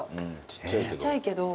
ちっちゃいけど。